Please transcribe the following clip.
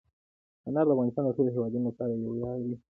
انار د افغانستان د ټولو هیوادوالو لپاره یو ویاړ دی.